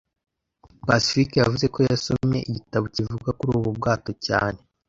Pacifique yavuze ko yasomye igitabo kivuga kuri ubu bwato cyane